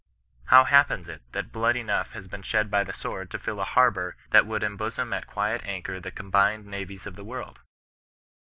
How happens it that blood enough has been shed by the sword to fill a harbour that would em bosom at quiet anchor the combined navies of the world